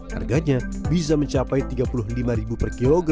harganya bisa mencapai tiga puluh lima per kg